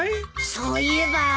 そういえば。